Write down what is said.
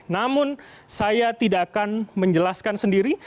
namun saya tidak akan menjelaskan sendiri